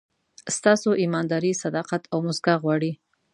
ستاسو ایمانداري، صداقت او موسکا غواړي.